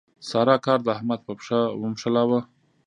سارا کار د احمد په پښه ونښلاوو.